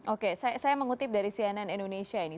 oke saya mengutip dari cnn indonesia ini